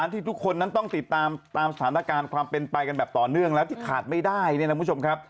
ที่ทุกคนนั้นต้องติดตามตามสถานการณ์ความเป็นไปกันแบบต่อเนื่องแล้วที่ขาดไม่ได้เนี่ยนะคุณผู้ชมครับ